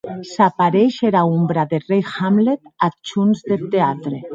S’apareish era ombra deth rei Hamlet ath hons deth teatre.